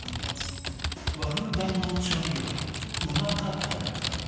和風万能調味料うまかたれ